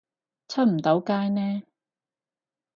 出唔到街呢